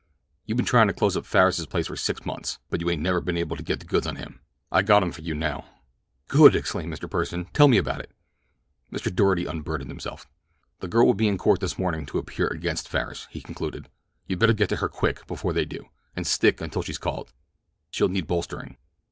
"You been tryin' to close up Farris's place for six months; but you ain't never been able to get the goods on him. I got 'em for you, now." "Good," exclaimed Mr. Pursen. "Tell me about it." Mr. Doarty unburdened himself. "The girl will be in court this morning to appear against Farris," he concluded. "You'd better get to her quick, before they do, and stick until she's called. She'll need bolstering."